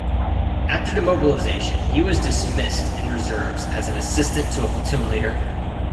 After demobilization he was dismissed in reserves as an assistant to a platoon leader.